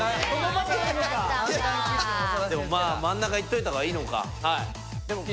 まあ真ん中いっといたほうがいいのか。